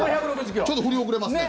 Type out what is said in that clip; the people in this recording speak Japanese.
ちょっと振り遅れますね。